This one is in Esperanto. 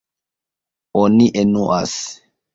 Oni enuas.